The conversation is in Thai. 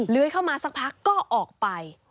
เลื้อยเข้ามาสักพักก็ออกไป